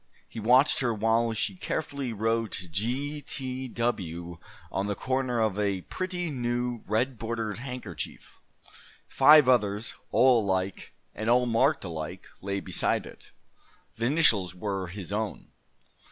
He watched her while she carefully wrote G. T. W. on the corner of a pretty new red bordered handkerchief. Five others, all alike, and all marked alike, lay beside it. The initials were his own.